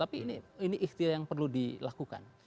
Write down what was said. tapi ini ikhtiar yang perlu dilakukan